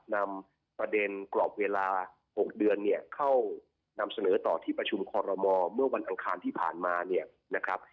นำประเด็นกรอบเวลา๖เดือนเนี่ยเข้านำเสนอต่อที่ประชุมคอรมอเมื่อวันอังคารที่ผ่านมาเนี่ยนะครับ